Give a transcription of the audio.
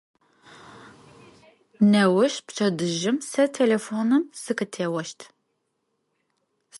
Nêuş, pçedıjım, se têlêfonım sıkhıtêoşt.